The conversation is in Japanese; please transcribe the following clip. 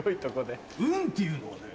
運っていうのはね